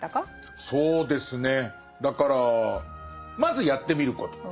そうですねだからまずやってみること。